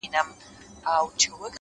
د حقیقت مینه وجدان روښانوي.!